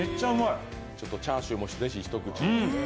チャーシューもぜひ一口。